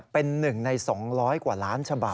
เป็น๑ใน๒๐๐กว่าล้านฉบับ